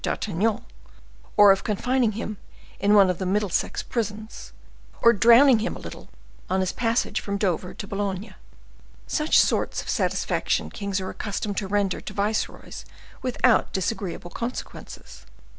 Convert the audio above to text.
d'Artagnan, or of confining him in one of the Middlesex prisons, or drowning him a little on his passage from Dover to Boulogne. Such sorts of satisfaction kings are accustomed to render to viceroys without disagreeable consequences.